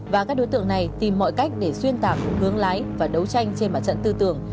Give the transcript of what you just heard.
và các đối tượng này tìm mọi cách để xuyên tạc hướng lái và đấu tranh trên mặt trận tư tưởng